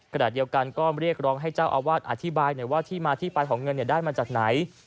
ขณะเดียวกันก็เรียกร้องให้เจ้าอาวาสอธิบายหน่อยว่าที่มาที่ไปของเงินได้มาจากไหน